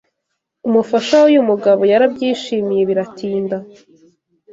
Umufasha w’uyu mugabo yarabyishimiye biratinda